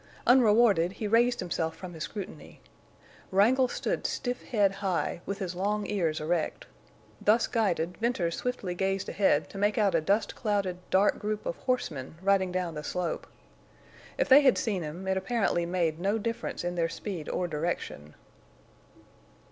Unrewarded, he raised himself from his scrutiny. Wrangle stood stiff head high, with his long ears erect. Thus guided, Venters swiftly gazed ahead to make out a dust clouded, dark group of horsemen riding down the slope. If they had seen him, it apparently made no difference in their speed or direction.